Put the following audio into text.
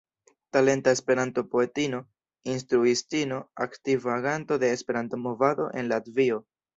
Talenta Esperanto-poetino, instruistino, aktiva aganto de Esperanto-movado en Latvio.